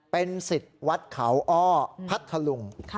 เป็นสิทธิ์วัดเขาอ้อพัทธลุง